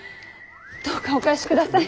どうかお返しください。